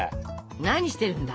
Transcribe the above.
何してるんだ？